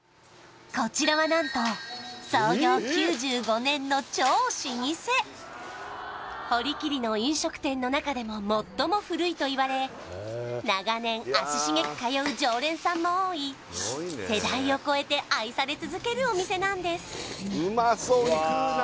こちらは何と創業９５年の超老舗堀切の飲食店の中でも最も古いといわれ長年足しげく通う常連さんも多い世代を超えて愛され続けるお店なんです